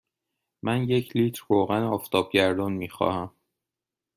من یک لیتر روغن آفتابگردان می خواهم.